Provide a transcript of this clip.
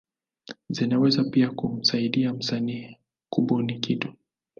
Zinaweza pia kumsaidia msanii kubuni kitu.